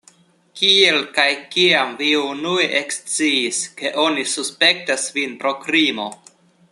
Kiel kaj kiam vi unue eksciis, ke oni suspektas vin pro krimo?